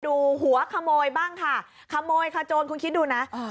ดูหัวขโมยบ้างค่ะขโมยขโจรคุณคิดดูนะ